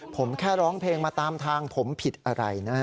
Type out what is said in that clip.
ผมแค่ร้องเพลงมาตามทางผมผิดอะไรนะ